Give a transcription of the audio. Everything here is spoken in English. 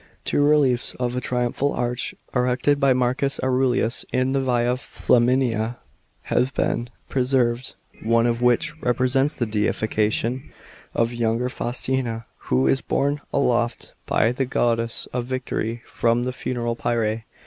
Two reliefs of a triumphal arch en cted by Marcus Aurelius in the Via Flrtminia have been preserved, one of which represents the deification of the j'ounger Faustina, who is born*' a'oft by the goddess »>f victory from the fuiK ral pyre.